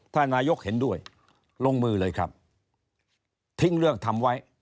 ถ้านายกเห็นด้วยลงมือเลยครับทิ้งเรื่องทำไว้